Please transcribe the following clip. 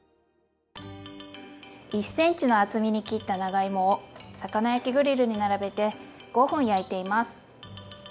１ｃｍの厚みに切った長芋を魚焼きグリルに並べて５分焼いています。